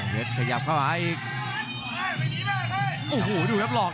เร็ดขยับเข้ามาอีกออูหูดูครับหรอก